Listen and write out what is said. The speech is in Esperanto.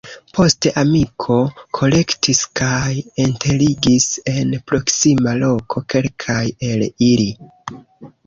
Poste amiko kolektis kaj enterigis en proksima loko kelkajn el ili.